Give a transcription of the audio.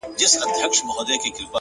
د نورو درناوی خپله سترتیا ده!.